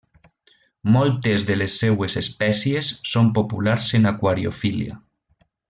Moltes de les seues espècies són populars en aquariofília.